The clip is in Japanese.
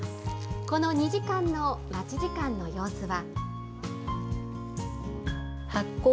この２時間の待ち時間の様子は。